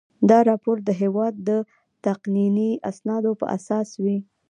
دا راپور د هیواد د تقنیني اسنادو په اساس وي.